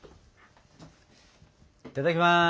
いただきます！